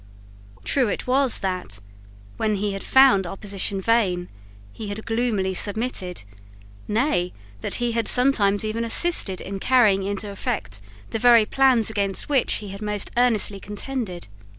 True it was that, when he had found opposition vain, he had gloomily submitted, nay, that he had sometimes even assisted in carrying into effect the very plans against which he had most earnestly contended.